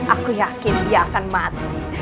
aku yakin dia akan mati